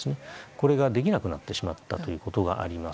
これができなくなってしまったということがあります。